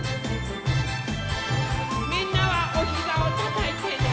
みんなはおひざをたたいてね！